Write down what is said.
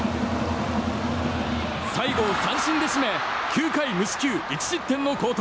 最後を三振で締め９回無四球１失点の好投。